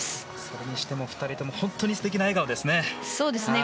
それにしても２人とも本当に素敵な笑顔ですね。